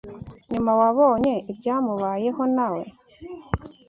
Nyuma wabonye ibyamubayeho nawe